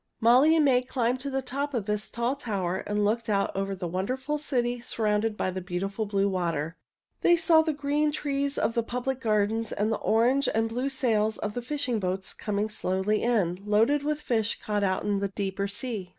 Molly and May climbed to the top of this tall tower and looked out over the wonderful city surrounded by the beautiful blue water. They saw the green trees of the public gardens, and the orange and blue sails of fishing boats coming slowly in, loaded with fish caught out in the deeper sea.